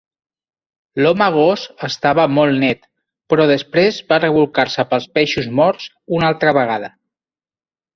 L'Home Gos estava molt net, però després va rebolcar-se pels peixos morts una altra vegada.